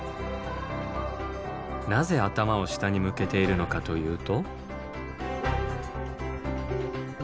なぜ頭を下に向けているのかというと。